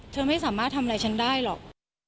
เธอไม่สามารถทำอะไรฉันได้หรอก